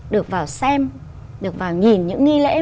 được vào xem được vào nhìn những nghi lễ